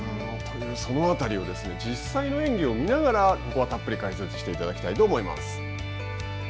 その辺りを実際の演技を見ながらここはたっぷりと解説していただきたいと思います。